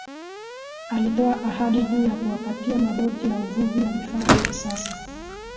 Alitoa ahadi juu ya kuwapatia maboti ya uvuvi na vifaa vya kisasa